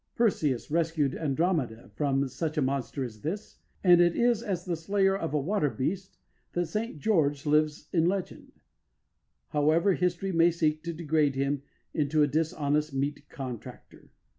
Perseus rescued Andromeda from such a monster as this, and it is as the slayer of a water beast that St. George lives in legend, however history may seek to degrade him into a dishonest meat contractor.